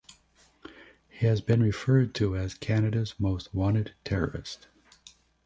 He has been referred to as "Canada's most wanted terrorist".